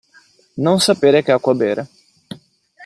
Non sapere che acqua bere.